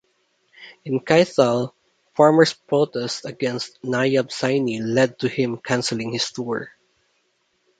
In Kaithal, farmers' protest against Nayab Saini led to him canceling his tour.